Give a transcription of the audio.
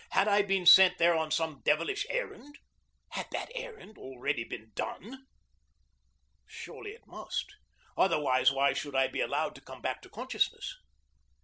Had I been sent here on some devilish errand? Had that errand already been done? Surely it must; otherwise, why should I be allowed to come back to consciousness?